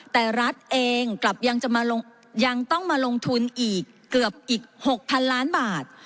แต่รัฐเองกลับยังต้องมาลงทุนอีกเกือบอีก๖๐๐๐ล้านบาท